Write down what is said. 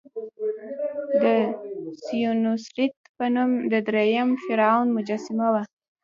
د سینوسریت په نوم د دریم فرعون مجسمه وه.